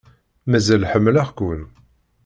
Mazal ḥemmleɣ-ken.